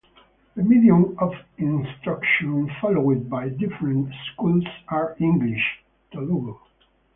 The medium of instruction followed by different schools are English, Telugu.